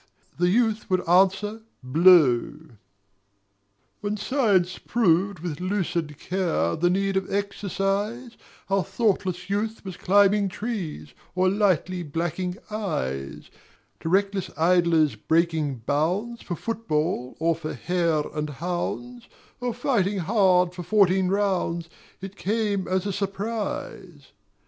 The Youth would answer "Blow!" When Science proved with lucid care The need of Exercise, Our thoughtless Youth was climbing trees Or lightly blacking eyes: To reckless idlers breaking bounds For football or for hare and hounds, Or fighting hard for fourteen rounds, It came as a surprise.